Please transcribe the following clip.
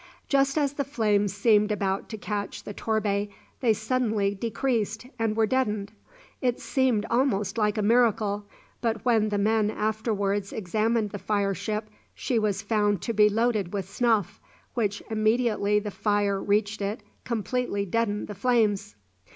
Just as the flames seemed about to catch the "Torbay" they suddenly decreased, and were deadened. It seemed almost like a miracle; but when the men afterwards examined the fire ship, she was found to be loaded with snuff, which immediately the fire reached it completely deadened the flames.